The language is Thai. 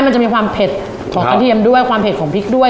มันจะมีความเผ็ดของกระเทียมด้วยความเผ็ดของพริกด้วย